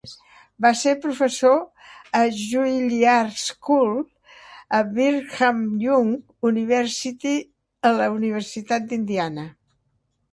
Va ser professor a Juilliard School, a Brigham Young University i a la Universitat d'Indiana.